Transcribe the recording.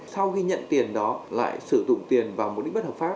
sau khi nhận tiền đó lại sử dụng tiền vào mục đích bất hợp pháp